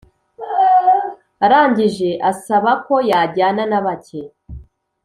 arangije asabako yajyana nabake